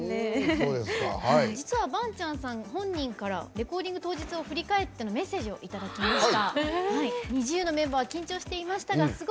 実はバンチャンさん本人からレコーディング当日を振り返ってのメッセージをいただきました。